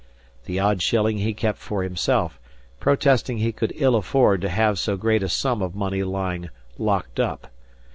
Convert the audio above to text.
The odd shilling he kept for himself, protesting he could ill afford to have so great a sum of money lying "locked up."